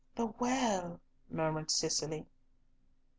"The well," murmured Cicely.